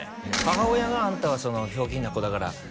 母親が「あんたはひょうきんな子だから」